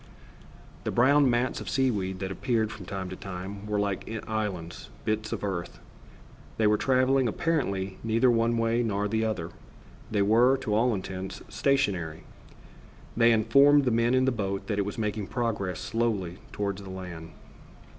The brown mats of seaweed that appeared from time to time were like islands, bits of earth. They were traveling, apparently, neither one way nor the other. They were, to all intents, stationary. They informed the men in the boat that it was making progress slowly toward the land.